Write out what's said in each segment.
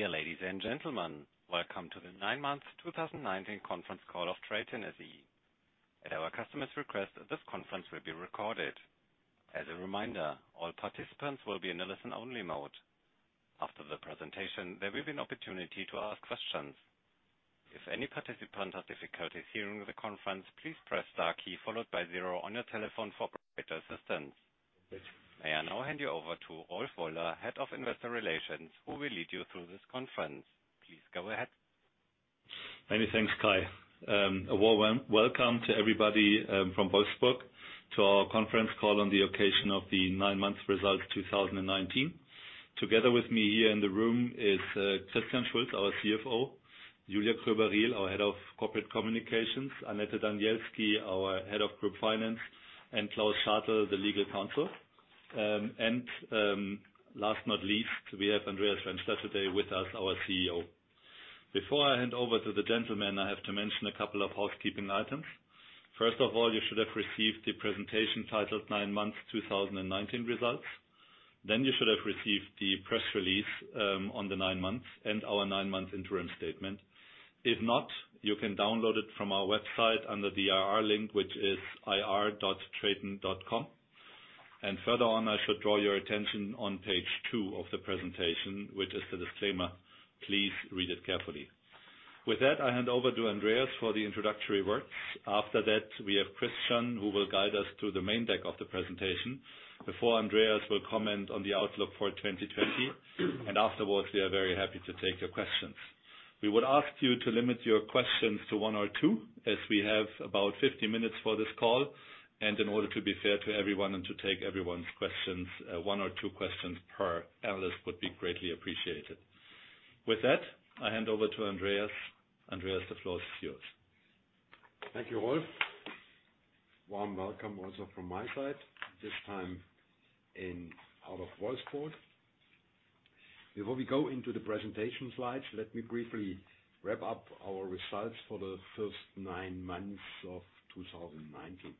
Dear ladies and gentlemen, welcome to the nine months 2019 conference call of TRATON SE. At our customers' request, this conference will be recorded. As a reminder, all participants will be in a listen-only mode. After the presentation, there will be an opportunity to ask questions. If any participant has difficulties hearing the conference, please press star key followed by zero on your telephone for operator assistance. May I now hand you over to Rolf Woller, Head of Investor Relations, who will lead you through this conference. Please go ahead. Many thanks, Kai. A warm welcome to everybody from Wolfsburg to our conference call on the occasion of the nine-month results 2019. Together with me here in the room is Christian Schulz, our CFO, Julia Kroeber-Riel, our Head of Corporate Communications, Annette Danielski, our Head of Group Finance, and Klaus Schartel, the Legal Counsel. Last but not least, we have Andreas Renschler today with us, our CEO. Before I hand over to the gentlemen, I have to mention a couple of housekeeping items. First of all, you should have received the presentation titled Nine Months 2019 Results. You should have received the press release on the nine months and our nine-month interim statement. If not, you can download it from our website under the IR link, which is ir.traton.com. Further on, I should draw your attention on page two of the presentation, which is the disclaimer. Please read it carefully. With that, I hand over to Andreas for the introductory words. After that, we have Christian, who will guide us through the main deck of the presentation. Before Andreas will comment on the outlook for 2020, and afterwards, we are very happy to take your questions. We would ask you to limit your questions to one or two, as we have about 50 minutes for this call, and in order to be fair to everyone and to take everyone's questions, one or two questions per analyst would be greatly appreciated. With that, I hand over to Andreas. Andreas, the floor is yours. Thank you, Rolf. Warm welcome also from my side, this time out of Wolfsburg. Before we go into the presentation slides, let me briefly wrap up our results for the first nine months of 2019.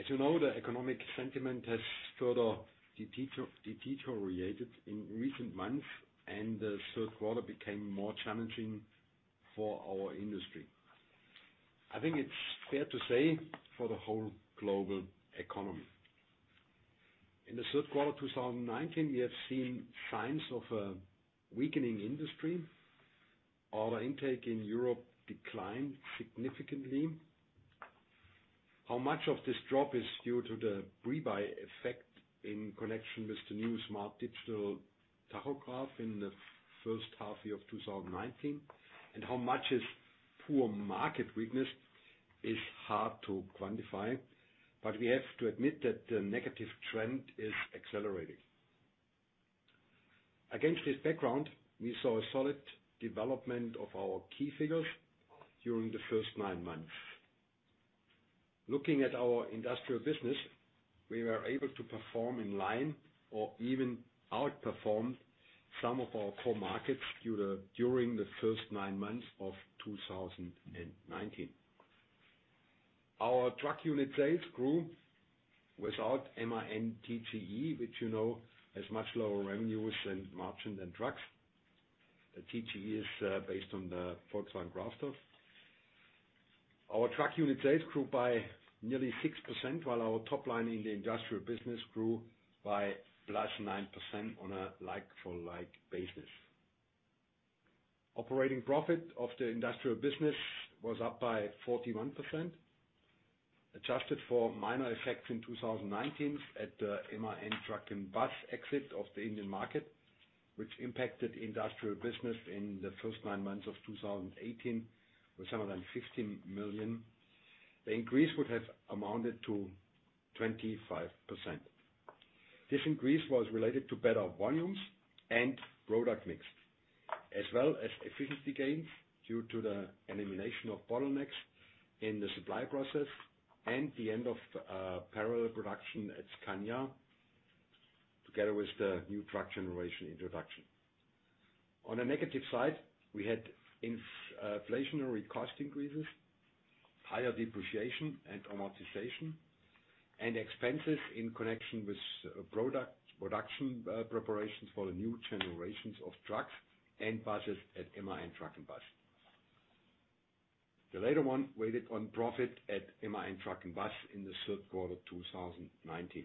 As you know, the economic sentiment has further deteriorated in recent months, and the third quarter became more challenging for our industry. I think it's fair to say for the whole global economy. In the third quarter 2019, we have seen signs of a weakening industry. Order intake in Europe declined significantly. How much of this drop is due to the pre-buy effect in connection with the new smart digital tachograph in the first half year of 2019, and how much is poor market weakness is hard to quantify, but we have to admit that the negative trend is accelerating. Against this background, we saw a solid development of our key figures during the first nine months. Looking at our industrial business, we were able to perform in line or even outperform some of our core markets during the first nine months of 2019. Our truck unit sales grew without MAN TGE, which you know has much lower revenues and margin than trucks. The TGE is based on the Volkswagen Crafter. Our truck unit sales grew by nearly 6%, while our top line in the industrial business grew by +9% on a like-for-like basis. Operating profit of the industrial business was up by 41%, adjusted for minor effects in 2019 at the MAN Truck & Bus exit of the Indian market, which impacted industrial business in the first nine months of 2018 with 115 million. The increase would have amounted to 25%. This increase was related to better volumes and product mix, as well as efficiency gains due to the elimination of bottlenecks in the supply process and the end of parallel production at Scania, together with the new truck generation introduction. On a negative side, we had inflationary cost increases, higher depreciation and amortization, and expenses in connection with production preparations for the new generations of trucks and buses at MAN Truck & Bus. The latter one weighed on profit at MAN Truck & Bus in the third quarter of 2019.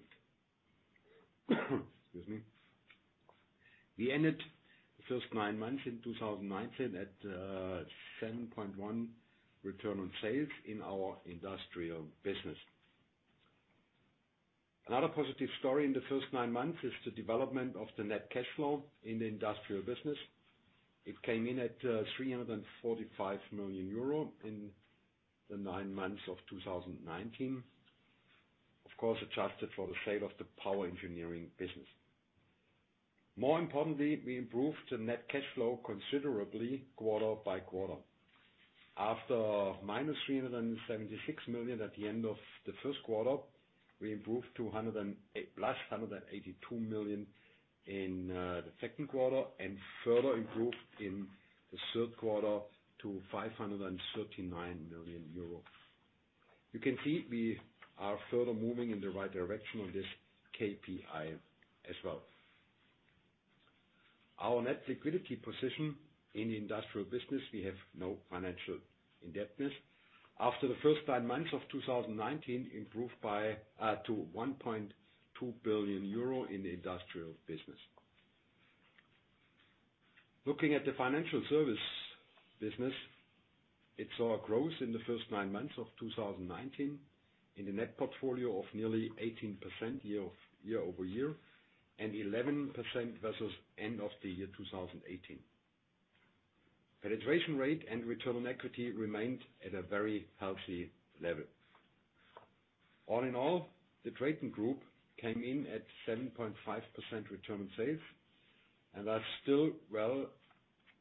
Excuse me. We ended the first nine months in 2019 at 7.1% return on sales in our industrial business. Another positive story in the first nine months is the development of the net cash flow in the industrial business. It came in at 345 million euro in the nine months of 2019. Of course, adjusted for the sale of the Power Engineering business. More importantly, we improved the net cash flow considerably quarter by quarter. After -376 million at the end of the first quarter, we improved to +182 million in the second quarter and further improved in the third quarter to 539 million euro. You can see we are further moving in the right direction on this KPI as well. Our net liquidity position in the industrial business, we have no financial indebtedness. After the first nine months of 2019 improved to 1.2 billion euro in the industrial business. Looking at the financial service business, it saw a growth in the first nine months of 2019 in the net portfolio of nearly 18% year-over-year and 11% versus end of the year 2018. Penetration rate and return on equity remained at a very healthy level. All in all, the TRATON Group came in at 7.5% return on sales, and are still well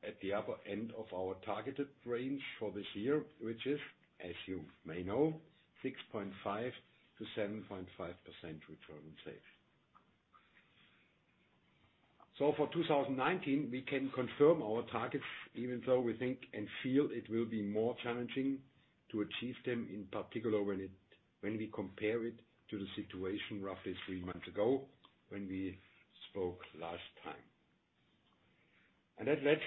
at the upper end of our targeted range for this year, which is, as you may know, 6.5%-7.5% return on sales. For 2019, we can confirm our targets, even though we think and feel it will be more challenging to achieve them, in particular when we compare it to the situation roughly three months ago when we spoke last time. That leads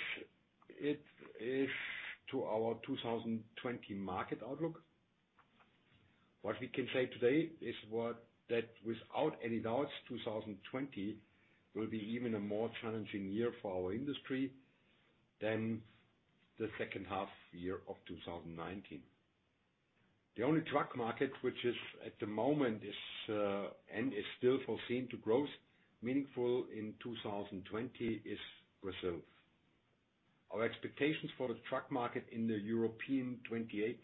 us to our 2020 market outlook. What we can say today is that without any doubts, 2020 will be even a more challenging year for our industry than the second half year of 2019. The only truck market, which is at the moment and is still foreseen to grow meaningful in 2020, is Brazil. Our expectations for the truck market in the European 28+2,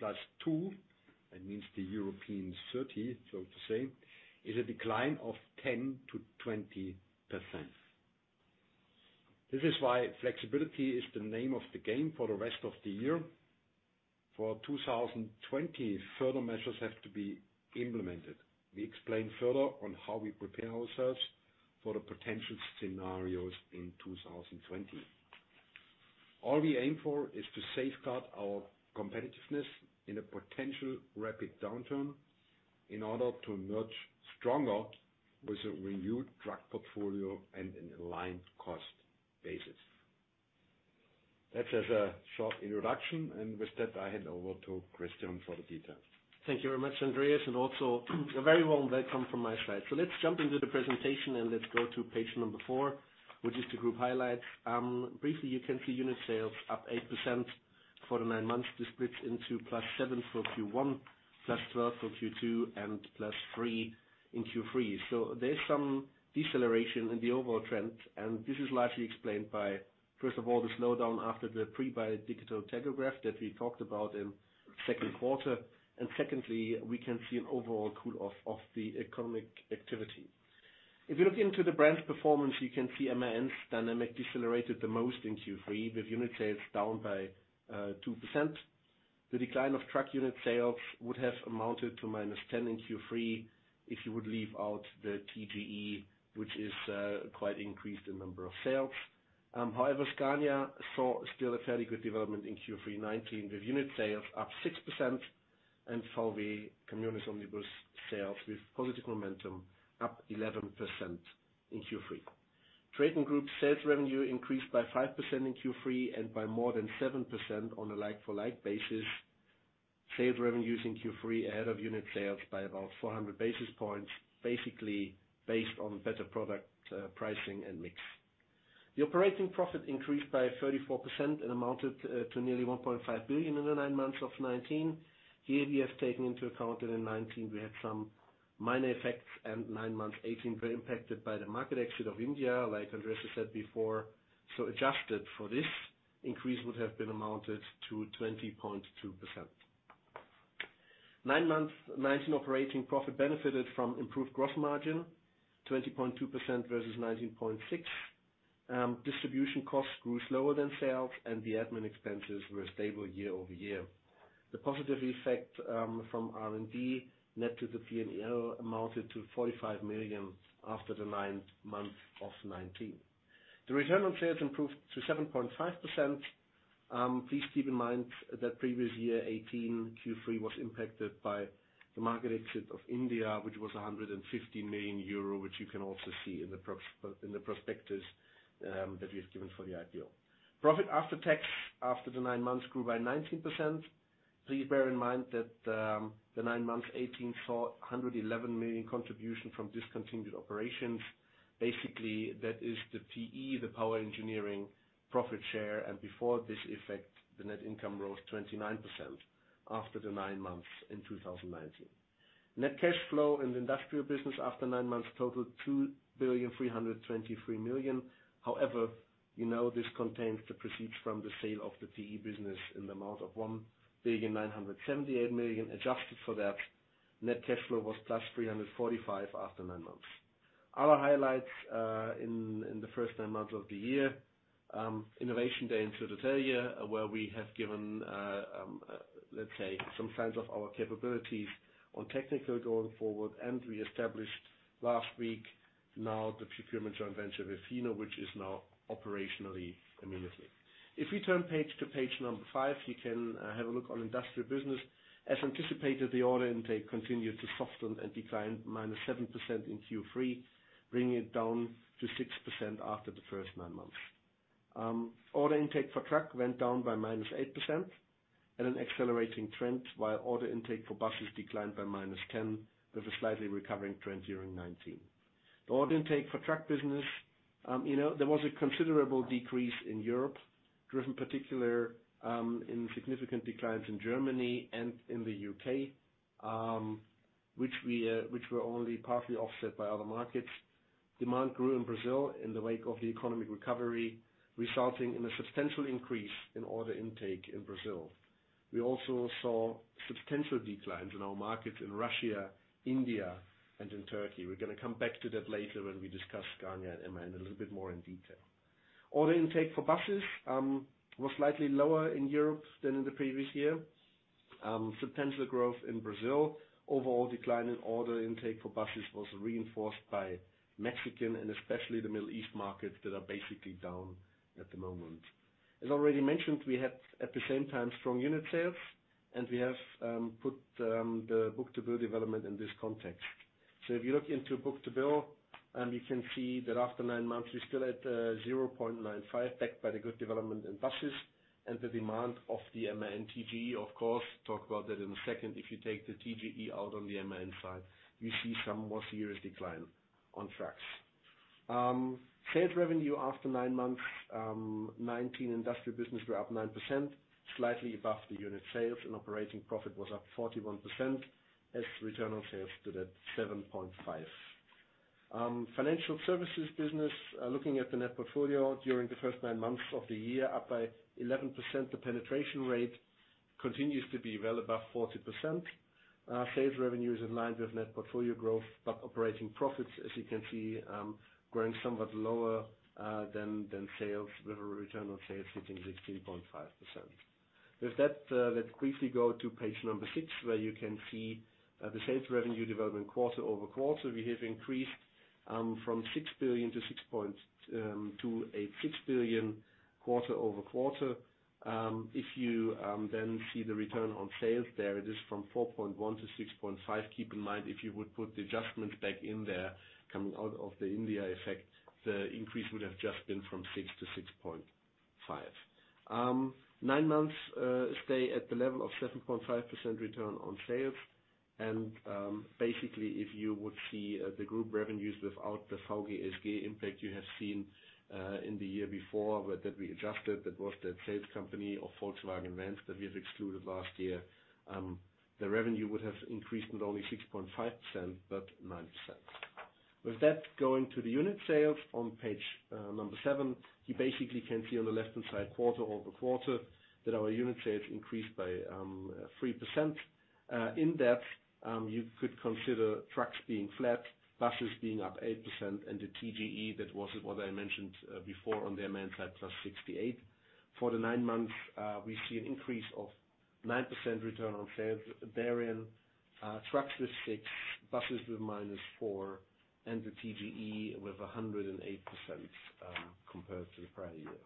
that means the European 30, so to say, is a decline of 10%-20%. This is why flexibility is the name of the game for the rest of the year. For 2020, further measures have to be implemented. We explain further on how we prepare ourselves for the potential scenarios in 2020. All we aim for is to safeguard our competitiveness in a potential rapid downturn in order to emerge stronger with a renewed truck portfolio and an aligned cost basis. That's as a short introduction, and with that, I hand over to Christian for the details. Thank you very much, Andreas, and also a very warm welcome from my side. Let's jump into the presentation and let's go to page number four, which is the group highlights. Briefly, you can see unit sales up 8% for the nine months. This splits into +7% for Q1, +12% for Q2, and +3% in Q3. There's some deceleration in the overall trend. This is largely explained by, first of all, the slowdown after the pre-buy digital tachograph that we talked about in second quarter. Secondly, we can see an overall cool off of the economic activity. If you look into the branch performance, you can see MAN's dynamic decelerated the most in Q3, with unit sales down by 2%. The decline of truck unit sales would have amounted to -10% in Q3 if you would leave out the TGE, which is quite increased in number of sales. However, Scania saw still a fairly good development in Q3 2019, with unit sales up 6%, and Volkswagen Caminhões e Ônibus sales with positive momentum up 11% in Q3. TRATON Group sales revenue increased by 5% in Q3 and by more than 7% on a like-for-like basis. Sales revenues in Q3 ahead of unit sales by about 400 basis points, basically based on better product pricing and mix. The operating profit increased by 34% and amounted to nearly 1.5 billion in the nine months of 2019. We have taken into account that in 2019 we had some minor effects, and nine months 2018 were impacted by the market exit of India, like Andreas has said before. Adjusted for this, increase would have been amounted to 20.2%. Nine months 2019 operating profit benefited from improved gross margin, 20.2% versus 19.6%. Distribution costs grew slower than sales, and the admin expenses were stable year-over-year. The positive effect from R&D net to the P&L amounted to 45 million after the nine months of 2019. The return on sales improved to 7.5%. Please keep in mind that previous year 2018 Q3 was impacted by the market exit of India, which was 150 million euro, which you can also see in the prospectus that we have given for the IPO. Profit after tax after the nine months grew by 19%. Please bear in mind that the nine months 2018 saw 111 million contribution from discontinued operations. Basically, that is the PE, the Power Engineering profit share, and before this effect, the net income rose 29% after the nine months in 2019. Net cash flow in the industrial business after nine months totaled 2,323,000. However, you know this contains the proceeds from the sale of the PE business in the amount of 1,978,000. Adjusted for that, net cash flow was +345 million after nine months. Other highlights in the first nine months of the year, Innovation Day in Södertälje, where we have given, let's say, some signs of our capabilities on technical going forward, and we established last week now the procurement joint venture with Hino, which is now operationally immediately. If we turn page to page number five, you can have a look on industrial business. As anticipated, the order intake continued to soften and declined -7% in Q3, bringing it down to 6% after the first nine months. Order intake for truck went down by -8% at an accelerating trend, while order intake for buses declined by -10%, with a slightly recovering trend during 2019. The order intake for truck business, there was a considerable decrease in Europe, driven particularly in significant declines in Germany and in the U.K., which were only partly offset by other markets. Demand grew in Brazil in the wake of the economic recovery, resulting in a substantial increase in order intake in Brazil. We also saw substantial declines in our markets in Russia, India, and in Turkey. We're going to come back to that later when we discuss Scania and MAN a little bit more in detail. Order intake for buses was slightly lower in Europe than in the previous year. Substantial growth in Brazil. Overall decline in order intake for buses was reinforced by Mexican and especially the Middle East markets that are basically down at the moment. As already mentioned, we had at the same time strong unit sales, and we have put the book-to-bill development in this context. If you look into book-to-bill, you can see that after nine months we're still at 0.95, backed by the good development in buses and the demand of the MAN TGE, of course. Talk about that in a second. If you take the TGE out on the MAN side, you see some more serious decline on trucks. Sales revenue after nine months 2019 industrial business were up 9%, slightly above the unit sales, and operating profit was up 41% as return on sales stood at 7.5%. Financial services business, looking at the net portfolio during the first nine months of the year, up by 11%. The penetration rate continues to be well above 40%. Sales revenue is in line with net portfolio growth, but operating profits, as you can see, growing somewhat lower than sales, with a return on sales hitting 16.5%. With that, let's briefly go to page number six, where you can see the sales revenue development quarter-over-quarter. We have increased from 6 billion to 6.286 billion quarter-over-quarter. If you then see the return on sales there, it is from 4.1% to 6.5%. Keep in mind, if you would put the adjustments back in there coming out of the India effect, the increase would have just been from 6% to 6.5%. Nine months stay at the level of 7.5% return on sales. Basically, if you would see the group revenues without the VGSG impact you have seen in the year before that we adjusted, that was that sales company of Volkswagen [sales] that we have excluded last year. The revenue would have increased with only 6.5%, but 9%. Going to the unit sales on page number seven. You basically can see on the left-hand side quarter-over-quarter that our unit sales increased by 3%. In depth, you could consider trucks being flat, buses being up 8%, and the TGE, that was what I mentioned before on the MAN side, +68%. For the nine months, we see an increase of 9% return on sales. Therein, trucks with 6%, buses with -4%, and the TGE with 108% compared to the prior year.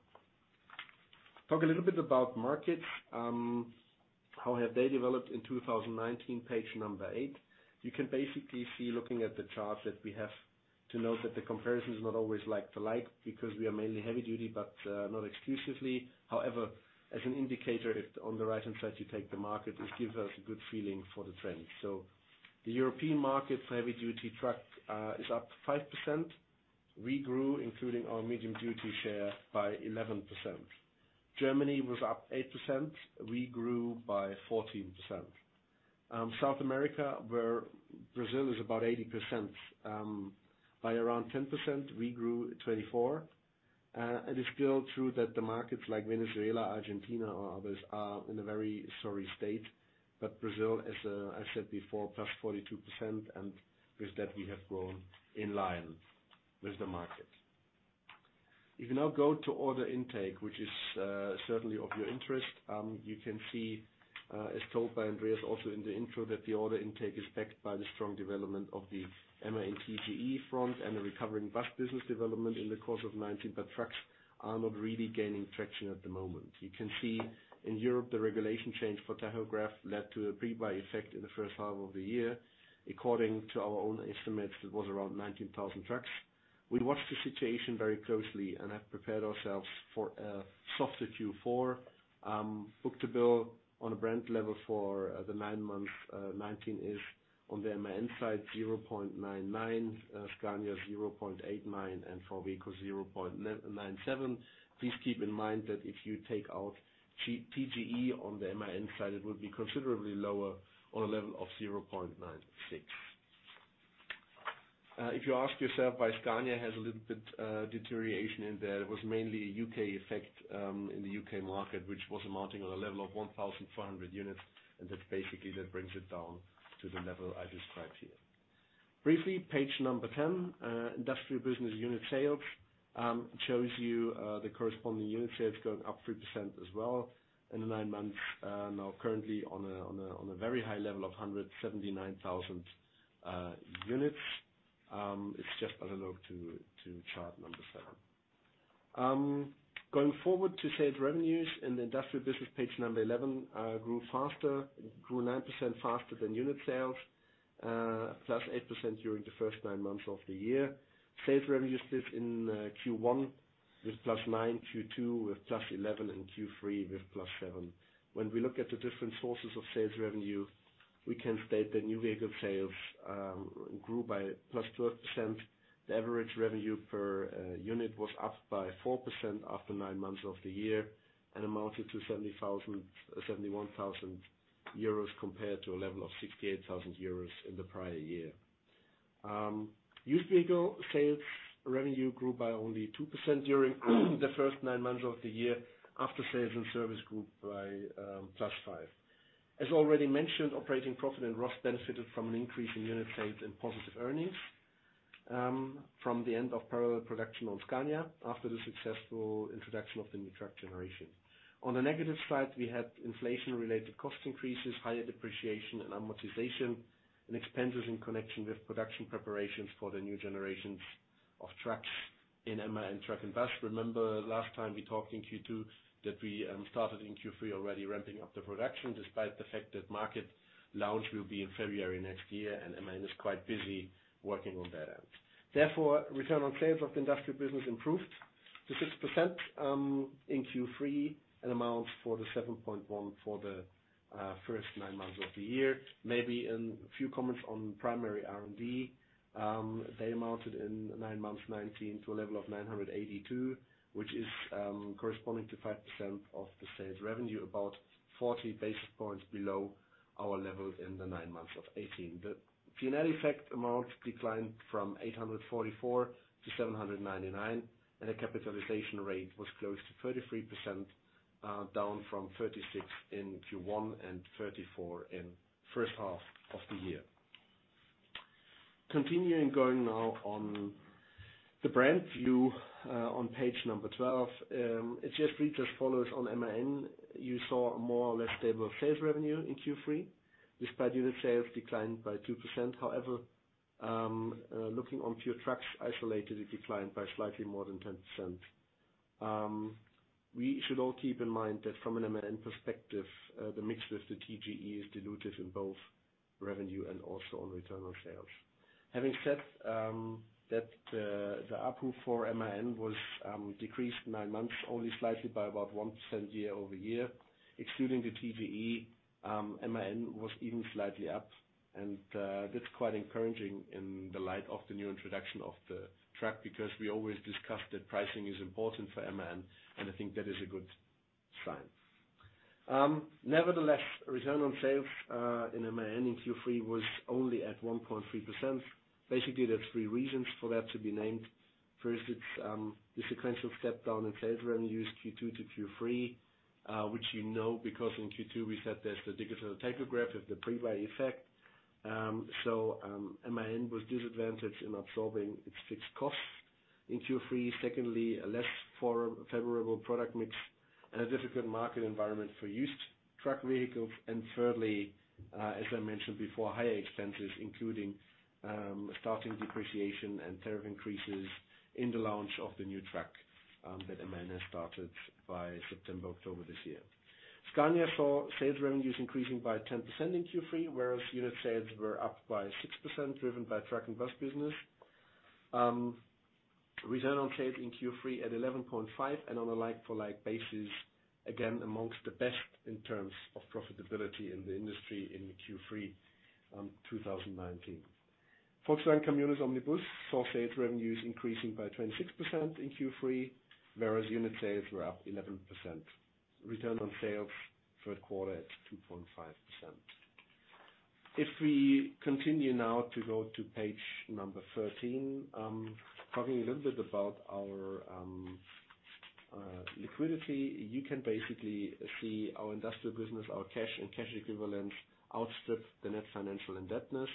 Talk a little bit about markets. How have they developed in 2019, page eight. You can basically see looking at the charts that we have to note that the comparison is not always like to like because we are mainly heavy duty, but not exclusively. As an indicator, if on the right-hand side you take the market, it gives us a good feeling for the trend. The European market for heavy duty trucks is up 5%. We grew, including our medium duty share, by 11%. Germany was up 8%. We grew by 14%. South America, where Brazil is about 80%, by around 10%, we grew 24%. It is still true that the markets like Venezuela, Argentina, or others are in a very sorry state. Brazil, as I said before, +42%, and with that, we have grown in line with the market. If you now go to order intake, which is certainly of your interest, you can see, as told by Andreas also in the intro, that the order intake is backed by the strong development of the MAN TGE front and the recovering bus business development in the course of 2019, but trucks are not really gaining traction at the moment. You can see in Europe, the regulation change for tachograph led to a pre-buy effect in the first half of the year. According to our own estimates, it was around 19,000 trucks. We watched the situation very closely and have prepared ourselves for a softer Q4. Book-to-bill on a brand level for the nine months 2019 is on the MAN side 0.99, Scania 0.89, and for VWCO 0.97. Please keep in mind that if you take out TGE on the MAN side, it would be considerably lower on a level of 0.96. If you ask yourself why Scania has a little bit deterioration in there, it was mainly a U.K. effect in the U.K. market, which was amounting on a level of 1,400 units, and that basically brings it down to the level I described here. Briefly, page number 10, industrial business unit sales, shows you the corresponding unit sales going up 3% as well in the nine months, now currently on a very high level of 179,000 units. It's just a look to chart number seven. Going forward to sales revenues in the industrial business, page number 11, grew 9% faster than unit sales, +8% during the first nine months of the year. Sales revenues did in Q1 with +9%, Q2 with +11%, and Q3 with +7%. When we look at the different sources of sales revenue, we can state that new vehicle sales grew by +12%. The average revenue per unit was up by 4% after nine months of the year, and amounted to 71,000 euros compared to a level of 68,000 euros in the prior year. Used vehicle sales revenue grew by only 2% during the first nine months of the year after sales and service grew by +5%. As already mentioned, operating profit and ROS benefited from an increase in unit sales and positive earnings from the end of parallel production on Scania after the successful introduction of the new truck generation. On the negative side, we had inflation-related cost increases, higher depreciation and amortization, and expenses in connection with production preparations for the new generations of trucks in MAN Truck & Bus. Remember last time we talked in Q2 that we started in Q3 already ramping up the production despite the fact that market launch will be in February next year, and MAN is quite busy working on that end. Therefore, return on sales of the industrial business improved to 6% in Q3 and amounts for the 7.1% for the first nine months of the year. Maybe a few comments on primary R&D. They amounted in nine months 2019 to a level of 982 million, which is corresponding to 5% of the sales revenue, about 40 basis points below our level in the nine months of 2018. The P&L effect amount declined from 844 million to 799 million, and the capitalization rate was close to 33%, down from 36% in Q1 and 34% in first half of the year. Continuing going now on the brand view, on page 12. It just reads as follows on MAN. You saw a more or less stable sales revenue in Q3, despite unit sales declined by 2%. Looking on pure trucks isolated, it declined by slightly more than 10%. We should all keep in mind that from an MAN perspective, the mix with the TGE is diluted in both revenue and also on return on sales. Having said that, the ARPU for MAN was decreased nine months, only slightly by about 1% year-over-year. Excluding the TGE, MAN was even slightly up. That's quite encouraging in the light of the new introduction of the truck, because we always discuss that pricing is important for MAN, and I think that is a good sign. Nevertheless, return on sales in MAN in Q3 was only at 1.3%. Basically, there are three reasons for that to be named. First, it's the sequential step down in sales revenues Q2 to Q3, which you know, because in Q2 we said there's the digital tachograph with the pre-buy effect. MAN was disadvantaged in absorbing its fixed costs in Q3. Secondly, a less favorable product mix and a difficult market environment for used truck vehicles. Thirdly, as I mentioned before, higher expenses, including starting depreciation and tariff increases in the launch of the new truck that MAN has started by September, October this year. Scania saw sales revenues increasing by 10% in Q3, whereas unit sales were up by 6%, driven by Truck & Bus business. Return on sales in Q3 at 11.5% and on a like-for-like basis, again, amongst the best in terms of profitability in the industry in Q3 2019. Volkswagen Caminhões e Ônibus saw sales revenues increasing by 26% in Q3, whereas unit sales were up 11%. Return on sales third quarter at 2.5%. If we continue now to go to page 13, talking a little bit about our liquidity. You can basically see our industrial business, our cash and cash equivalents outstripped the net financial indebtedness.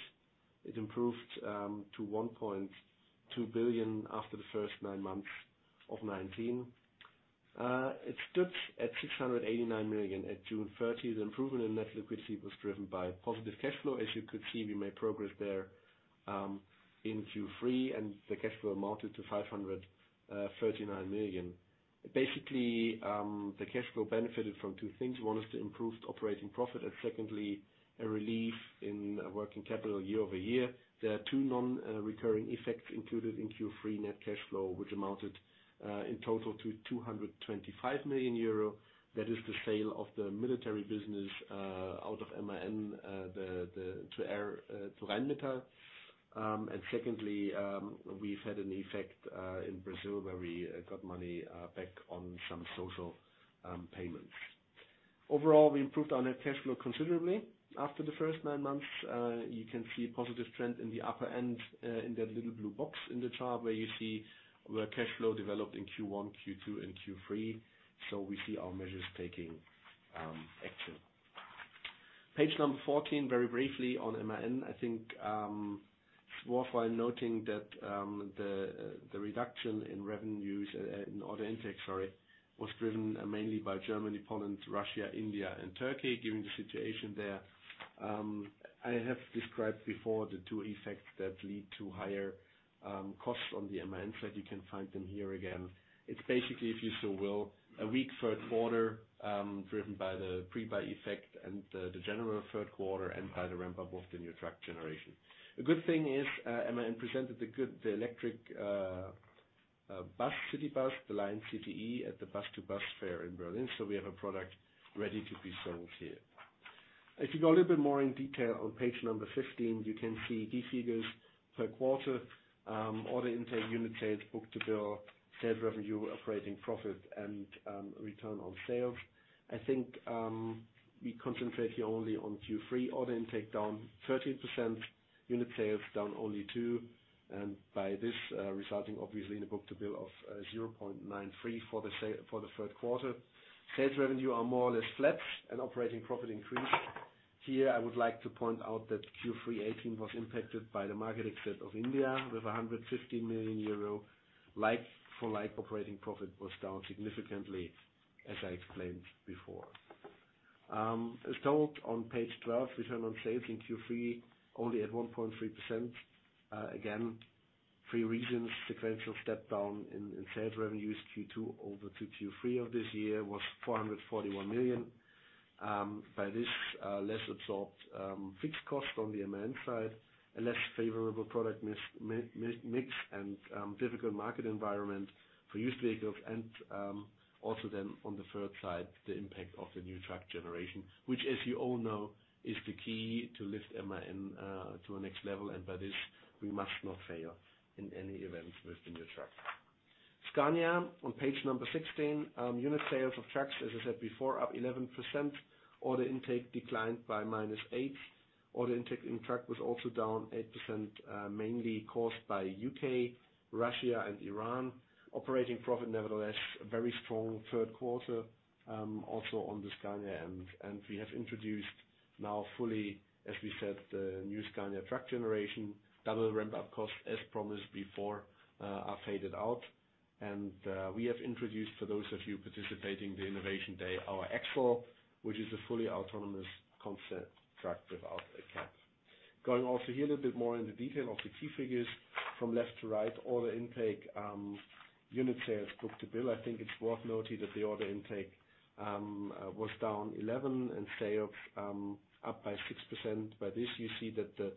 It improved to 1.2 billion after the first nine months of 2019. It stood at 689 million at June 30. The improvement in net liquidity was driven by positive cash flow. As you could see, we made progress there in Q3, and the cash flow amounted to 539 million. Basically, the cash flow benefited from two things. One is the improved operating profit and secondly, a relief in working capital year-over-year. There are two non-recurring effects included in Q3 net cash flow, which amounted in total to 225 million euro. That is the sale of the military business out of MAN to Rheinmetall. Secondly, we've had an effect in Brazil where we got money back on some social payments. Overall, we improved our net cash flow considerably after the first nine months. You can see a positive trend in the upper end in that little blue box in the chart where you see where cash flow developed in Q1, Q2, and Q3. We see our measures taking action. Page number 14, very briefly on MAN. I think it's worthwhile noting that the reduction in order intake was driven mainly by Germany, Poland, Russia, India, and Turkey, given the situation there. I have described before the two effects that lead to higher costs on the MAN side. You can find them here again. It's basically, if you so will, a weak third quarter, driven by the pre-buy effect and the general third quarter, and by the ramp-up of the new truck generation. A good thing is, MAN presented the electric bus, city bus, the Lion's City E, at the BUS2BUS Fair in Berlin. We have a product ready to be sold here. If you go a little bit more in detail on page number 15, you can see key figures per quarter. Order intake, unit sales, book-to-bill, sales revenue, operating profit, and return on sales. I think we concentrate here only on Q3. Order intake down 13%, unit sales down only 2%. By this, resulting obviously in a book-to-bill of 0.93 for the third quarter. Sales revenue are more or less flat and operating profit increased. Here I would like to point out that Q3 2018 was impacted by the market exit of India with 150 million euro. Like-for-like operating profit was down significantly, as I explained before. As told on page 12, return on sales in Q3 only at 1.3%. Again, three reasons. Sequential step down in sales revenues. Q2 over to Q3 of this year was 441 million. By this, less absorbed fixed cost on the MAN side, a less favorable product mix and difficult market environment for used vehicles and, also then on the third side, the impact of the new truck generation. Which, as you all know, is the key to lift MAN to a next level. By this, we must not fail in any event with the new truck. Scania on page number 16. Unit sales of trucks, as I said before, up 11%. Order intake declined by -8%. Order intake in truck was also down 8%, mainly caused by U.K., Russia, and Iran. Operating profit, nevertheless, a very strong third quarter, also on the Scania end. We have introduced now fully, as we said, the new Scania truck generation. Double ramp-up costs, as promised before, are faded out. We have introduced, for those of you participating the Innovation Day, our AXL, which is a fully autonomous concept truck without a cab. Going also here a little bit more into detail of the key figures from left to right. Order intake, unit sales, book-to-bill. I think it's worth noting that the order intake was down 11% and sales up by 6%. By this, you see that the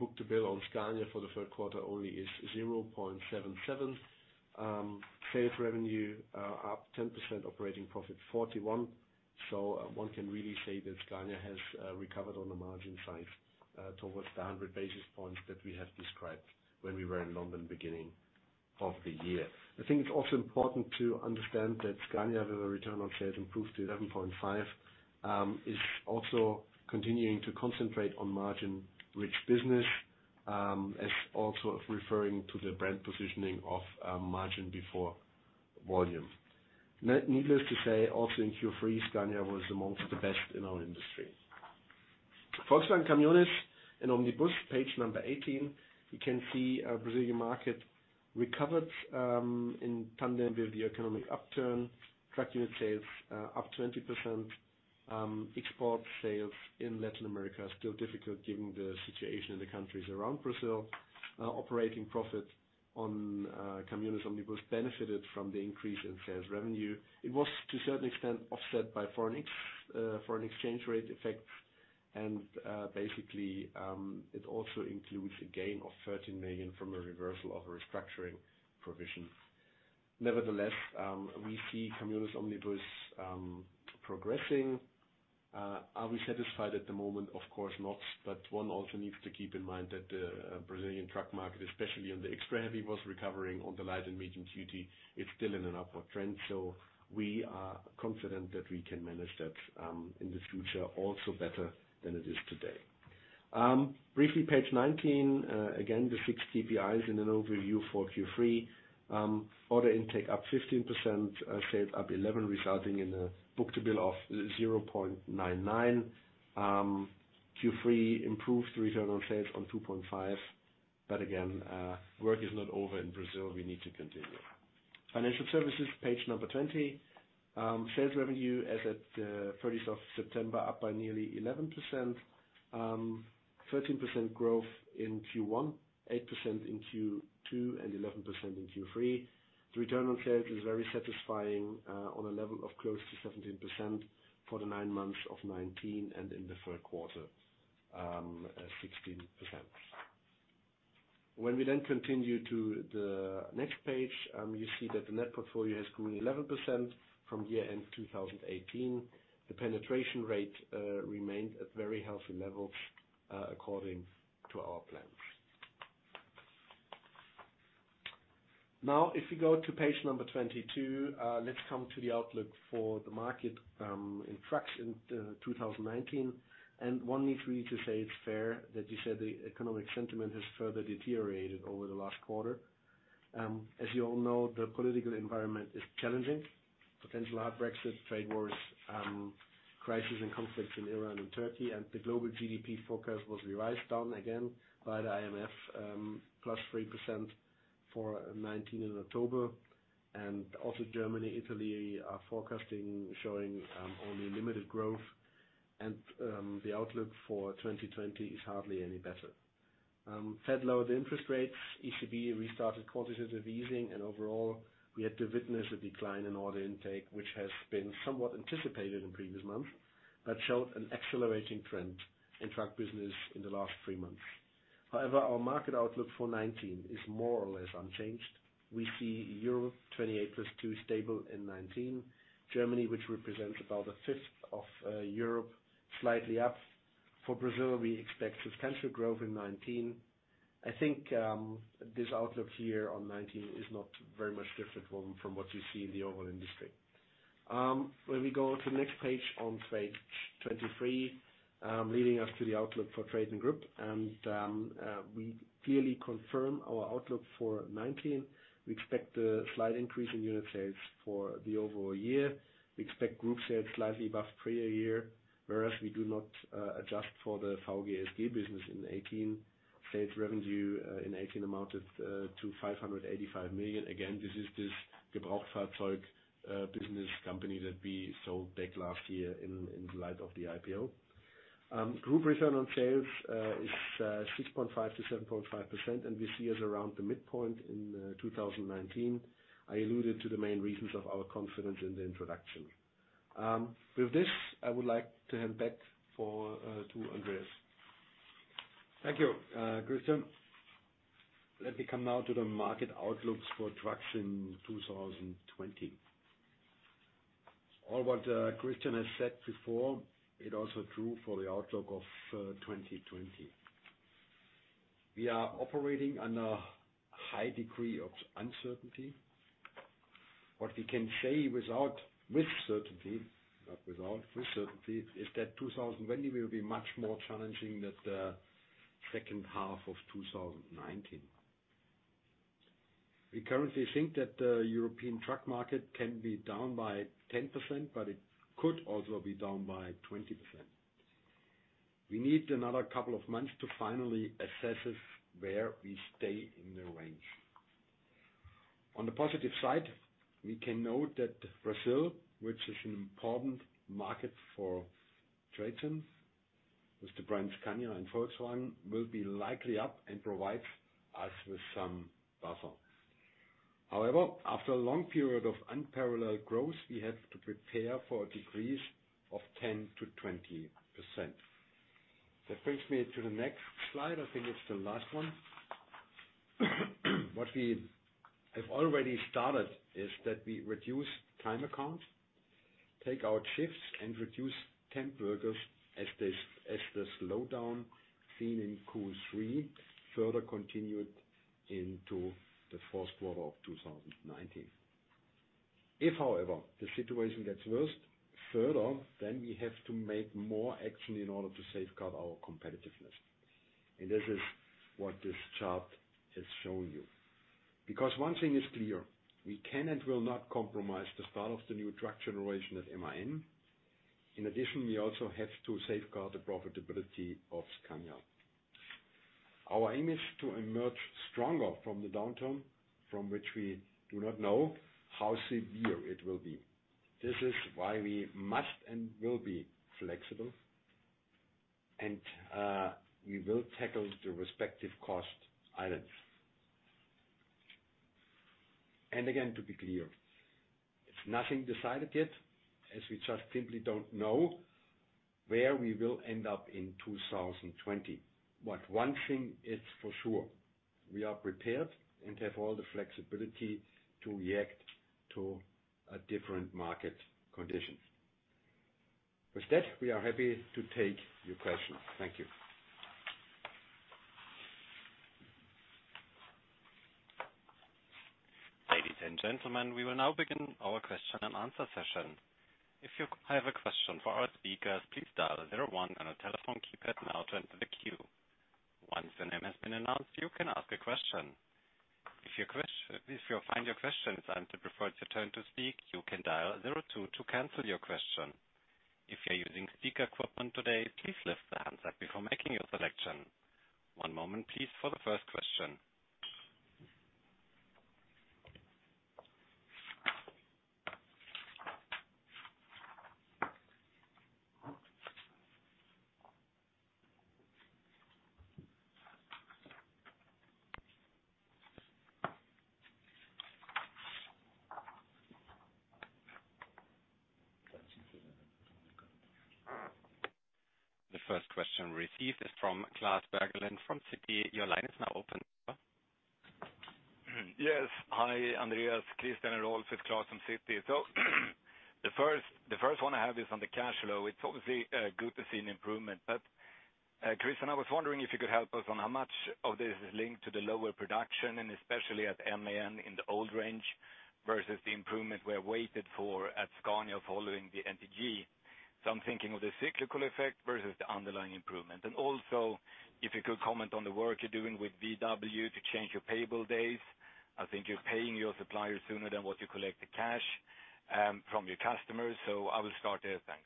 book-to-bill on Scania for the third quarter only is 0.77. Sales revenue are up 10%, operating profit 41%. One can really say that Scania has recovered on the margin side towards the 100 basis points that we have described when we were in London beginning of the year. I think it's also important to understand that Scania, with a return on sales improved to 11.5%, is also continuing to concentrate on margin-rich business, as also referring to the brand positioning of margin before volume. Needless to say, also in Q3, Scania was amongst the best in our industry. Volkswagen Caminhões e Ônibus, page number 18. You can see Brazilian market recovered in tandem with the economic upturn. Truck unit sales up 20%. Export sales in Latin America are still difficult given the situation in the countries around Brazil. Operating profit on Caminhões e Ônibus benefited from the increase in sales revenue. It was to a certain extent offset by foreign exchange rate effects and basically, it also includes a gain of 13 million from a reversal of a restructuring provision. Nevertheless, we see Caminhões e Ônibus progressing. Are we satisfied at the moment? Of course not, but one also needs to keep in mind that the Brazilian truck market, especially on the extra heavy, was recovering on the light and medium duty. It's still in an upward trend, so we are confident that we can manage that in the future also better than it is today. Briefly, page 19. Again, the six KPIs in an overview for Q3. Order intake up 15%, sales up 11%, resulting in a book-to-bill of 0.99. Q3 improved the return on sales on 2.5%. Again, work is not over in Brazil. We need to continue. Financial services, page number 20. Sales revenue as at 30 of September, up by nearly 11%. 13% growth in Q1, 8% in Q2, and 11% in Q3. The return on sales is very satisfying on a level of close to 17% for the nine months of 2019 and in the third quarter, 16%. When we then continue to the next page, you see that the net portfolio has grown 11% from year-end 2018. The penetration rate remained at very healthy levels according to our plans. Now, if you go to page number 22, let's come to the outlook for the market in trucks in 2019. One needs really to say it's fair that you said the economic sentiment has further deteriorated over the last quarter. As you all know, the political environment is challenging. Potential hard Brexit, trade wars, crises and conflicts in Iran and Turkey, and the global GDP forecast was revised down again by the IMF, +3% for 2019 in October. Also, Germany, Italy are forecasting showing only limited growth. The outlook for 2020 is hardly any better. Fed lowered interest rates, ECB restarted quantitative easing, and overall, we had to witness a decline in order intake, which has been somewhat anticipated in previous months, but showed an accelerating trend in truck business in the last three months. However, our market outlook for 2019 is more or less unchanged. We see Europe 28+2 stable in 2019. Germany, which represents about a fifth of Europe, slightly up. For Brazil, we expect substantial growth in 2019. I think this outlook here on 2019 is not very much different from what you see in the overall industry. When we go to the next page, on page 23, leading us to the outlook for TRATON Group. We clearly confirm our outlook for 2019. We expect a slight increase in unit sales for the overall year. We expect group sales slightly above prior year, whereas we do not adjust for the VGSG business in 2018. Sales revenue in 2018 amounted to 585 million. Again, this is this Gebrauchtfahrzeug business company that we sold back last year in light of the IPO. Group return on sales is 6.5%-7.5%, and we see us around the midpoint in 2019. I alluded to the main reasons of our confidence in the introduction. With this, I would like to hand back to Andreas. Thank you, Christian. Let me come now to the market outlooks for trucks in 2020. All what Christian has said before, it also true for the outlook of 2020. We are operating under a high degree of uncertainty. What we can say with certainty is that 2020 will be much more challenging than the second half of 2019. We currently think that the European truck market can be down by 10%, but it could also be down by 20%. We need another couple of months to finally assess where we stay in the range. On the positive side, we can note that Brazil, which is an important market for TRATON, with the brands Scania and Volkswagen, will be likely up and provide us with some buffer. However, after a long period of unparalleled growth, we have to prepare for a decrease of 10%-20%. That brings me to the next slide. I think it's the last one. What we have already started is that we reduce time accounts, take out shifts, and reduce temp workers as the slowdown seen in Q3 further continued into the fourth quarter of 2019. If, however, the situation gets worse further, then we have to make more action in order to safeguard our competitiveness. This is what this chart is showing you. One thing is clear, we cannot and will not compromise the start of the new truck generation at MAN. In addition, we also have to safeguard the profitability of Scania. Our aim is to emerge stronger from the downturn, from which we do not know how severe it will be. This is why we must and will be flexible. We will tackle the respective cost items. Again, to be clear, it's nothing decided yet, as we just simply don't know where we will end up in 2020. One thing is for sure, we are prepared and have all the flexibility to react to a different market condition. With that, we are happy to take your questions. Thank you. Ladies and gentlemen, we will now begin our question and answer session. If you have a question for our speakers, please dial zero one on a telephone keypad now to enter the queue. Once your name has been announced, you can ask a question. If you find your question is answered before it's your turn to speak, you can dial zero two to cancel your question. If you're using speakerphone today, please lift the handset before making your selection. One moment, please, for the first question. The first question received is from Klas Bergelind from Citi. Your line is now open. Yes. Hi, Andreas, Christian, and Rolf. It's Klas from Citi. The first one I have is on the cash flow. It's obviously good to see an improvement. Christian, I was wondering if you could help us on how much of this is linked to the lower production, and especially at MAN in the old range, versus the improvement we have waited for at Scania following the NTG. I'm thinking of the cyclical effect versus the underlying improvement. Also, if you could comment on the work you're doing with VW to change your payable days. I think you're paying your suppliers sooner than what you collect the cash from your customers. I will start there. Thanks.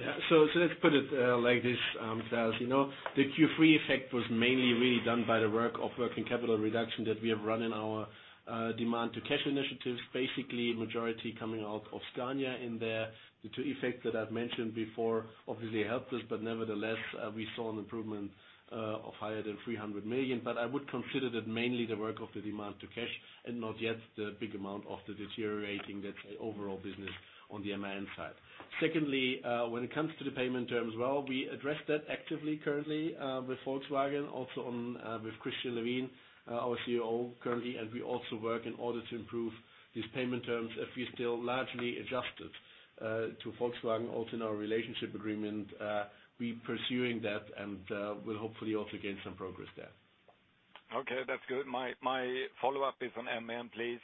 Yeah. Let's put it like this, Klas. The Q3 effect was mainly really done by the work of working capital reduction that we have run in our Demand-to-Cash initiatives. Basically, majority coming out of Scania in there. The two effects that I've mentioned before obviously helped us, but nevertheless, we saw an improvement of higher than 300 million. I would consider that mainly the work of the Demand-to-Cash and not yet the big amount of the deteriorating, let's say, overall business on the MAN side. Secondly, when it comes to the payment terms, well, we address that actively currently, with Volkswagen also with Christian Levin, our COO currently, and we also work in order to improve these payment terms. We still largely adjusted to Volkswagen also in our relationship agreement. We pursuing that and we'll hopefully also gain some progress there. Okay, that's good. My follow-up is on MAN, please.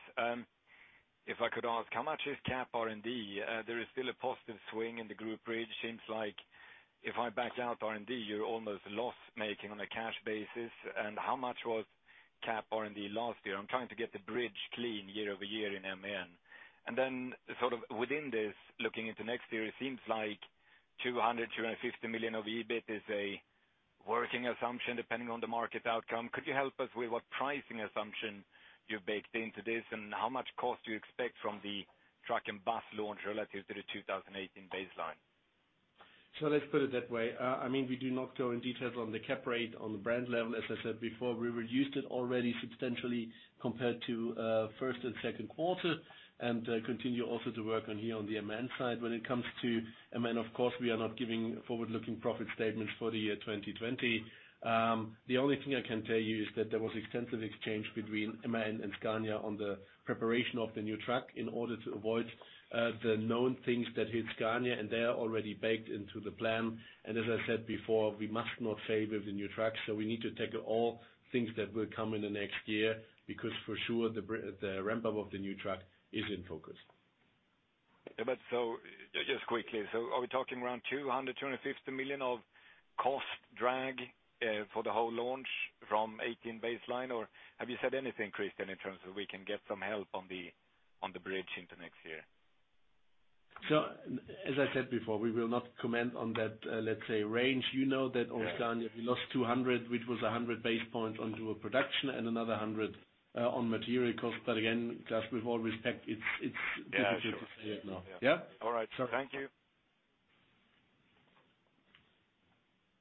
If I could ask, how much is cap R&D? Are there still a positive swing in the group bridge? Seems like if I back out R&D, you're almost loss-making on a cash basis. How much was cap R&D last year? I'm trying to get the bridge clean year-over-year in MAN. Within this, looking into next year, it seems like 200 million-250 million of EBIT is a working assumption, depending on the market outcome. Could you help us with what pricing assumption you baked into this, and how much cost do you expect from the Truck & Bus launch relative to the 2018 baseline? Let's put it that way. We do not go in details on the cap rate on the brand level. As I said before, we reduced it already substantially compared to first and second quarter, and continue also to work on here on the MAN side. When it comes to MAN, of course, we are not giving forward-looking profit statements for the year 2020. The only thing I can tell you is that there was extensive exchange between MAN and Scania on the preparation of the new truck in order to avoid the known things that hit Scania, and they are already baked into the plan. As I said before, we must not favor the new truck, so we need to tackle all things that will come in the next year, because for sure, the ramp-up of the new truck is in focus. Just quickly, are we talking around 200 million-250 million of cost drag for the whole launch from 2018 baseline? Have you said anything, Christian, in terms of we can get some help on the bridge into next year? As I said before, we will not comment on that, let's say, range. You know that on Scania we lost 200 basis points, which was 100 basis points onto a production and another 100 on material cost. Again, Klas, with all respect, it's difficult to say right now. Yeah? All right, sir. Thank you.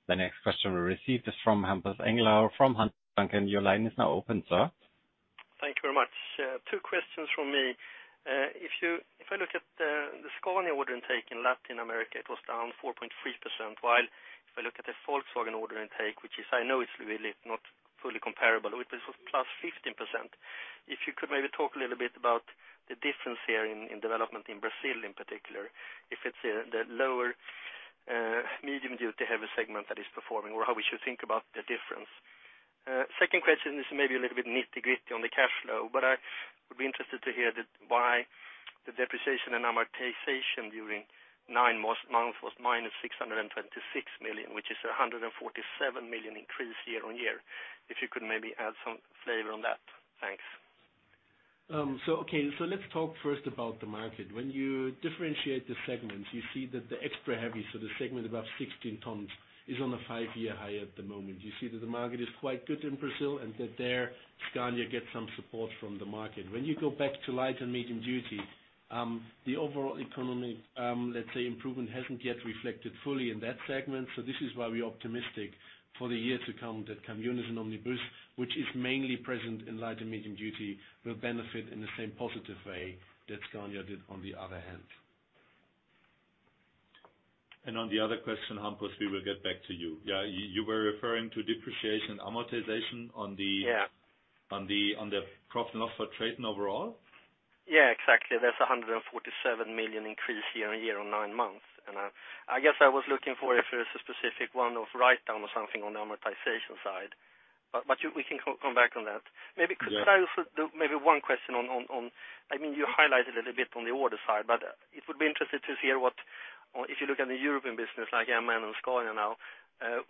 The next question we received is from Hampus Engellau from Handelsbanken. Your line is now open, sir. Thank you very much. Two questions from me. If I look at the Scania order intake in Latin America, it was down 4.3%, while if I look at the Volkswagen order intake, which I know it's really not fully comparable, it was +15%. If you could maybe talk a little bit about the difference here in development in Brazil in particular, if it's the lower medium-duty, heavy segment that is performing, or how we should think about the difference. Second question is maybe a little bit nitty-gritty on the cash flow, but I would be interested to hear why the depreciation and amortization during nine months was -626 million, which is 147 million increase year-on-year. If you could maybe add some flavor on that. Thanks. Let's talk first about the market. When you differentiate the segments, you see that the extra heavy, so the segment above 16 tons, is on a five-year high at the moment. You see that the market is quite good in Brazil, and that there Scania gets some support from the market. When you go back to light and medium duty, the overall economy, let's say, improvement hasn't yet reflected fully in that segment. This is why we are optimistic for the year to come that Caminhões e Ônibus, which is mainly present in light and medium duty, will benefit in the same positive way that Scania did on the other hand. On the other question, Hampus, we will get back to you. You were referring to depreciation, amortization on the profit and loss for TRATON overall? Yeah, exactly. There's 147 million increase year-over-year on nine months. I guess I was looking for if there's a specific one-off write-down or something on the amortization side. We can come back on that. Maybe, Christian, I also do maybe one question, you highlighted a little bit on the order side, but it would be interesting to hear what, if you look at the European business like MAN and Scania now,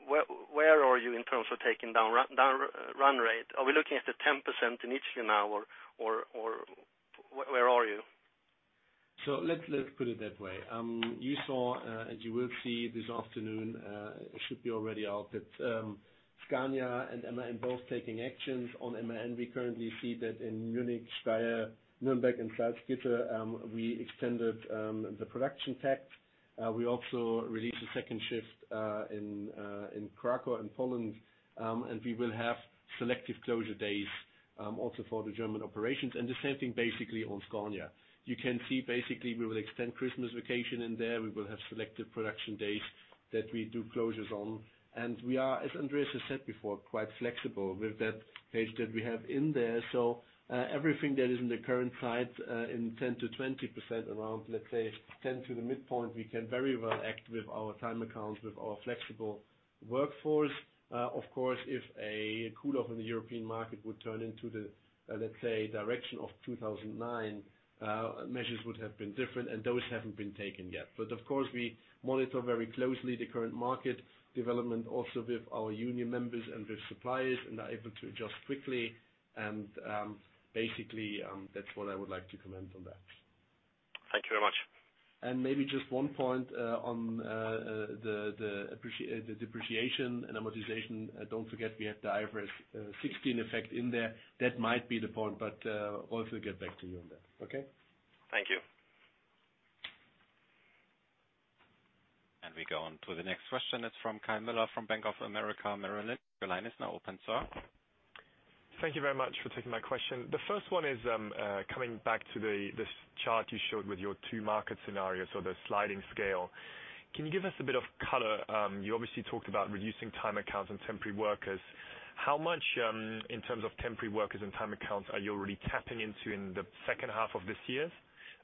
where are you in terms of taking down run rate? Are we looking at the 10% in each now, or where are you? Let's put it that way. You saw, and you will see this afternoon, it should be already out, that Scania and MAN both taking actions. On MAN, we currently see that in Munich, Steyr, Nuremberg, and Salzgitter, we extended the production tact. We also released a second shift in Kraków, in Poland, and we will have selective closure days also for the German operations, and the same thing basically on Scania. You can see basically we will extend Christmas vacation in there. We will have selective production days that we do closures on. We are, as Andreas has said before, quite flexible with that page that we have in there. Everything that is in the current site in 10%-20%, around, let's say, 10% to the midpoint, we can very well act with our time accounts, with our flexible workforce. Of course, if a cool-off in the European market would turn into the, let's say, direction of 2009, measures would have been different, and those haven't been taken yet. Of course, we monitor very closely the current market development also with our union members and with suppliers, and are able to adjust quickly. Basically, that's what I would like to comment there. Thank you very much. Maybe just one point on the depreciation and amortization. Don't forget we have the IFRS 16 effect in there. That might be the point, but I'll also get back to you on that. Okay? Thank you. We go on to the next question. It's from Kai Mueller, from Bank of America Merrill Lynch. Your line is now open, sir. Thank you very much for taking my question. The first one is, coming back to this chart you showed with your two market scenarios or the sliding scale. Can you give us a bit of color? You obviously talked about reducing time accounts and temporary workers. How much, in terms of temporary workers and time accounts, are you already tapping into in the second half of this year?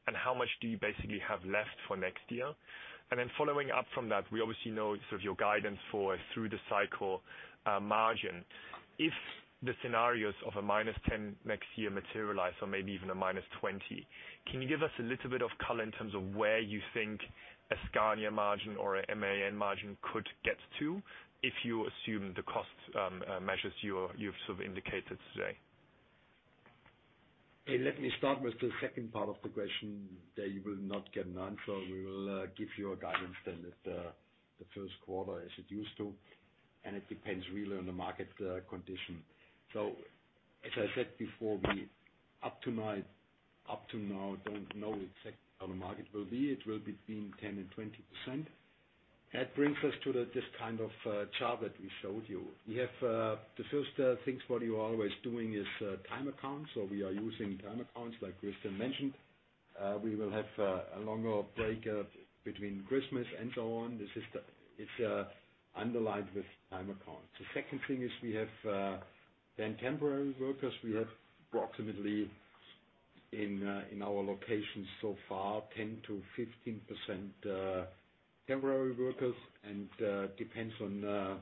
How much do you basically have left for next year? Following up from that, we obviously know your guidance for through the cycle margin. If the scenarios of a -10% next year materialize or maybe even a -20%, can you give us a little bit of color in terms of where you think a Scania margin or a MAN margin could get to if you assume the cost measures you've indicated today? Let me start with the second part of the question. There you will not get none, so we will give you a guidance then at the first quarter as it used to, and it depends really on the market condition. As I said before, we up to now don't know exactly how the market will be. It will be between 10% and 20%. That brings us to this kind of chart that we showed you. The first things what you are always doing is time accounts, so we are using time accounts like Christian mentioned. We will have a longer break between Christmas and so on. This is underlined with time accounts. The second thing is we have then temporary workers. We have approximately in our locations so far, 10%-15% temporary workers and depends on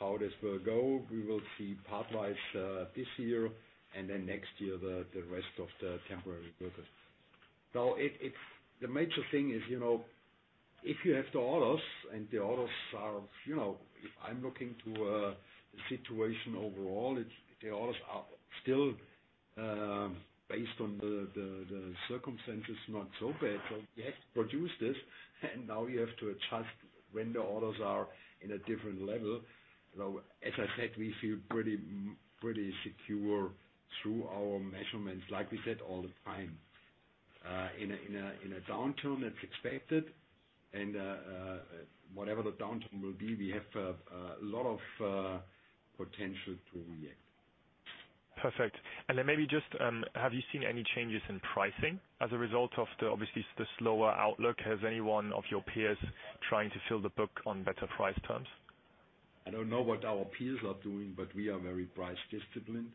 how this will go. We will see part-wise this year, and then next year, the rest of the temporary workers. The major thing is, if you have the orders, and the orders are, if I'm looking to the situation overall, the orders are still based on the circumstances, not so bad. We have to produce this, and now we have to adjust when the orders are in a different level. As I said, we feel pretty secure through our measurements, like we said, all the time. In a downturn that's expected and whatever the downturn will be, we have a lot of potential to react. Perfect. Maybe just, have you seen any changes in pricing as a result of obviously the slower outlook? Has any one of your peers trying to fill the book on better price terms? I don't know what our peers are doing, but we are very price disciplined.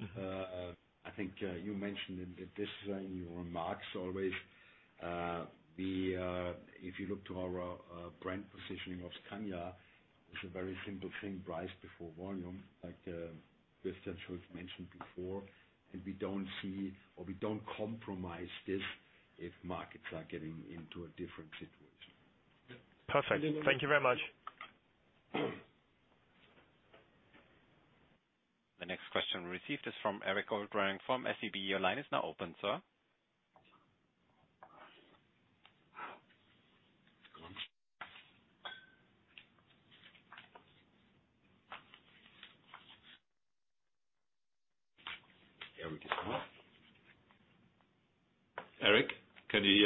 I think you mentioned it this way in your remarks always. If you look to our brand positioning of Scania, it's a very simple thing, price before volume, like Christian Schulz mentioned before. We don't see or we don't compromise this if markets are getting into a different situation. Perfect. Thank you very much. The next question received is from Erik Golrang from SEB. Your line is now open, sir. It's gone. Erik, is he gone? Erik, can you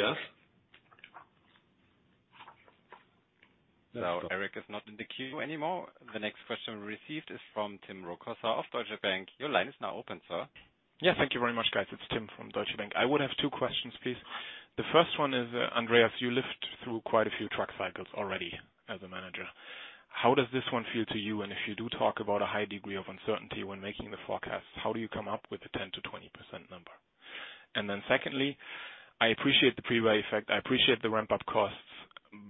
hear us? No, Erik is not in the queue anymore. The next question received is from Tim Rokossa of Deutsche Bank. Your line is now open, sir. Yes. Thank you very much, guys. It's Tim from Deutsche Bank. I would have two questions, please. The first one is, Andreas, you lived through quite a few truck cycles already as a manager. How does this one feel to you? If you do talk about a high degree of uncertainty when making the forecast, how do you come up with the 10%-20% number? Secondly, I appreciate the pre-buy effect. I appreciate the ramp-up costs,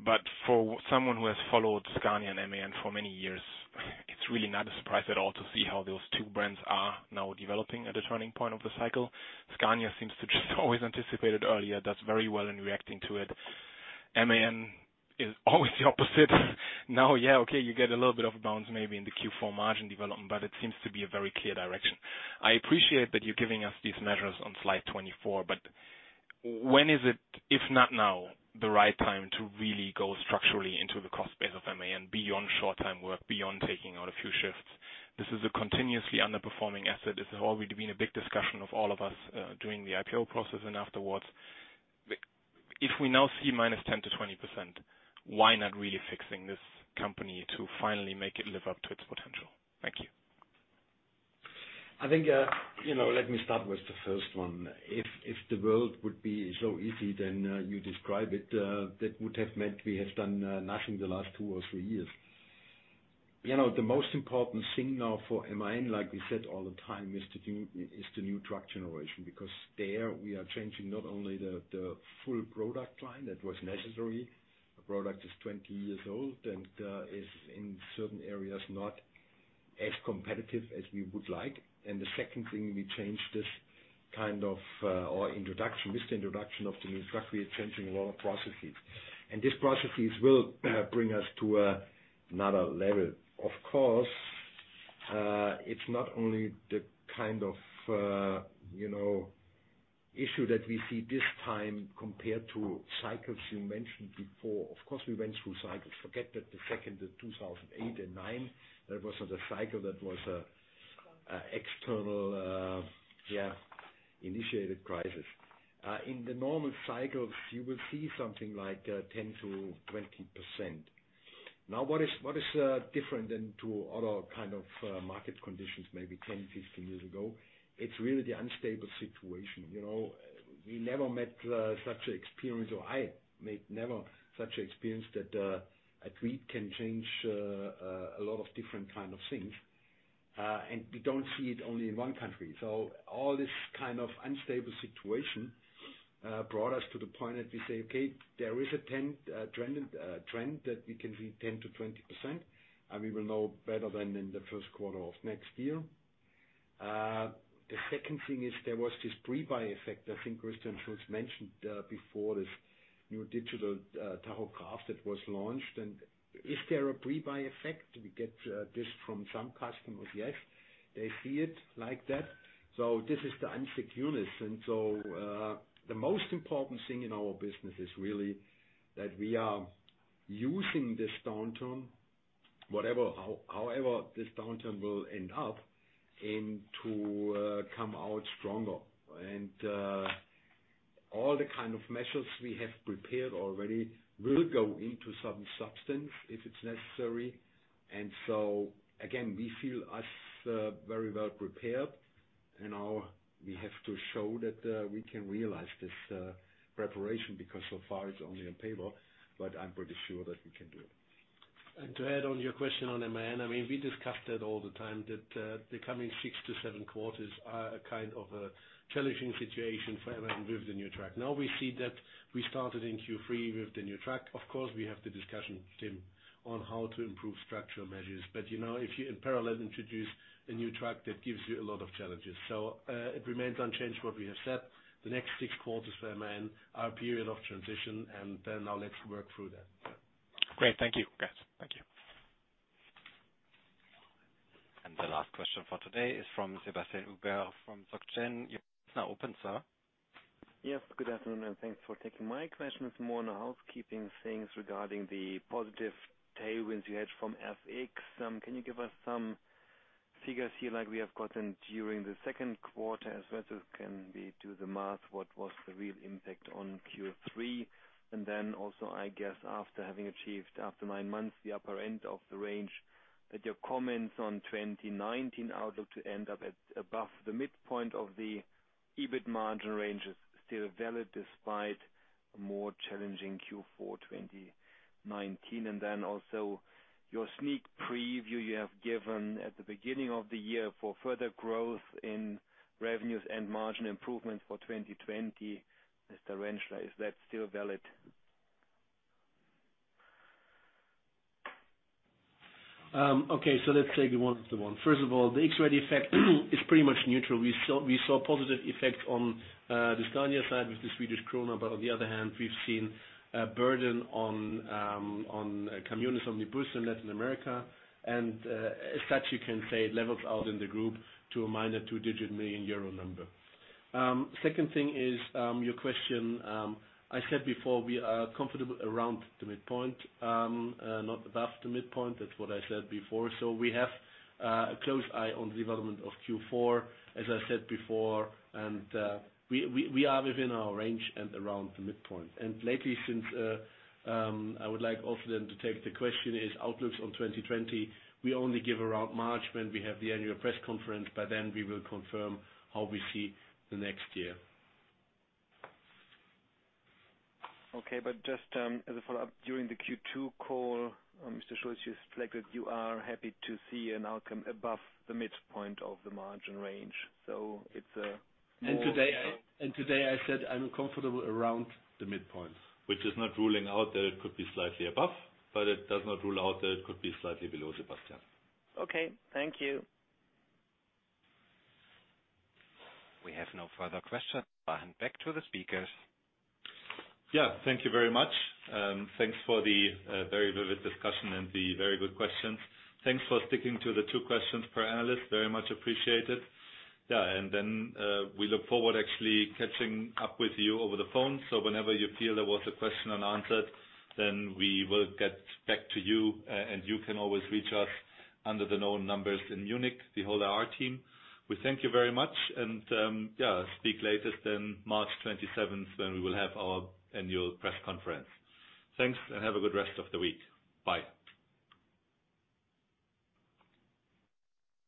but for someone who has followed Scania and MAN for many years, it's really not a surprise at all to see how those two brands are now developing at a turning point of the cycle. Scania seems to just always anticipate it earlier, does very well in reacting to it. MAN is always the opposite. Now, yeah, okay, you get a little bit of a bounce maybe in the Q4 margin development, but it seems to be a very clear direction. I appreciate that you're giving us these measures on slide 24, but when is it, if not now, the right time to really go structurally into the cost base of MAN, beyond short time work, beyond taking out a few shifts? This is a continuously underperforming asset. This has already been a big discussion of all of us during the IPO process and afterwards. If we now see -10% to 20%, why not really fixing this company to finally make it live up to its potential? Thank you. I think, let me start with the first one. If the world would be so easy than you describe it, that would have meant we have done nothing the last two or three years. The most important thing now for MAN, like we said all the time, is the new truck generation. There we are changing not only the full product line that was necessary. A product is 20 years old and is in certain areas not as competitive as we would like. The second thing, we change this kind of introduction, with the introduction of the new truck, we are changing a lot of processes. These processes will bring us to another level. Of course, it's not only the kind of issue that we see this time compared to cycles you mentioned before. Of course, we went through cycles. Forget that the second of 2008 and 2009, that was not a cycle, that was an external initiated crisis. In the normal cycles, you will see something like 10%-20%. What is different than to other kind of market conditions maybe 10, 15 years ago? It's really the unstable situation. We never made such experience, or I made never such experience that a tweet can change a lot of different kind of things. We don't see it only in one country. All this kind of unstable situation brought us to the point that we say, okay, there is a trend that we can read 10%-20%, and we will know better than in the first quarter of next year. The second thing is there was this pre-buy effect. I think Christian Schulz mentioned before this new digital tachograph that was launched. Is there a pre-buy effect? We get this from some customers, yes. They see it like that. This is the insecureness. The most important thing in our business is really that we are using this downturn, however this downturn will end up, and to come out stronger. All the kind of measures we have prepared already will go into some substance if it's necessary. Again, we feel us very well prepared. Now we have to show that we can realize this preparation because so far it's only on paper, but I'm pretty sure that we can do it. To add on your question on MAN, we discussed that all the time, that the coming six to seven quarters are a kind of a challenging situation for MAN with the new truck. We see that we started in Q3 with the new truck. Of course, we have the discussion, Tim, on how to improve structural measures. If you in parallel introduce a new truck, that gives you a lot of challenges. It remains unchanged what we have said. The next six quarters for MAN are a period of transition, let's work through that. Great. Thank you, guys. Thank you. The last question for today is from Sebastian Ubert from Societe Generale. Your line is now open, sir. Yes, good afternoon. Thanks for taking my question. It's more on the housekeeping things regarding the positive tailwinds you had from FX. Can you give us some figures here like we have gotten during the second quarter, as well as can we do the math, what was the real impact on Q3? I guess after having achieved after nine months the upper end of the range, that your comments on 2019 outlook to end up at above the midpoint of the EBIT margin range is still valid despite a more challenging Q4 2019. Your sneak preview you have given at the beginning of the year for further growth in revenues and margin improvements for 2020. Mr. Renschler, is that still valid? Okay, let's take it one at the one. First of all, the FX rate effect is pretty much neutral. We saw a positive effect on the Scania side with the Swedish krona, but on the other hand, we've seen a burden on Caminhões e Ônibus in Latin America. As such, you can say it levels out in the group to a minor two-digit million euro number. Second thing is your question. I said before, we are comfortable around the midpoint, not above the midpoint. That's what I said before. We have a close eye on the development of Q4, as I said before. We are within our range and around the midpoint. I would like also then to take the question is outlooks on 2020. We only give around March when we have the annual press conference, by then we will confirm how we see the next year. Okay, just as a follow-up, during the Q2 call, Mr. Schulz, you reflected you are happy to see an outcome above the midpoint of the margin range. Today, I said I'm comfortable around the midpoint. Which is not ruling out that it could be slightly above, but it does not rule out that it could be slightly below, Sebastian. Okay. Thank you. We have no further questions. Back to the speakers. Yeah. Thank you very much. Thanks for the very vivid discussion and the very good questions. Thanks for sticking to the two questions per analyst. Very much appreciated. We look forward actually catching up with you over the phone. Whenever you feel there was a question unanswered, then we will get back to you, and you can always reach us under the known numbers in Munich, the whole IR team. We thank you very much, and speak latest then March 27th, when we will have our annual press conference. Thanks. Have a good rest of the week. Bye.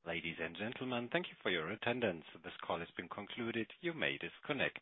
Ladies and gentlemen, thank you for your attendance. This call has been concluded. You may disconnect.